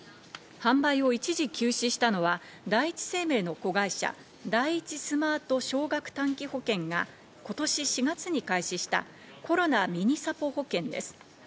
販売を一時休止したのは、第一生命の子会社・第一スマート少額短期保険が今年４月に開始した、コロナｍｉｎｉサポほけんです。